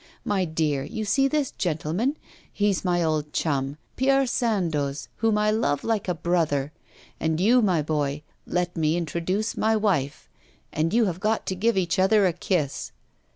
My dear, you see this gentleman? He's my old chum, Pierre Sandoz, whom I love like a brother. And you, my boy; let me introduce my wife. And you have got to give each other a kiss.